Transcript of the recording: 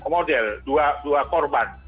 model dua korban